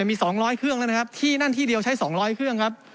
มี๒๐๐เครื่องแล้วนะครับที่นั่นที่เดียวใช้๒๐๐เครื่องครับ